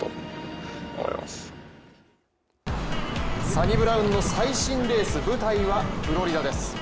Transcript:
サニブラウンの最新レース、舞台はフロリダです。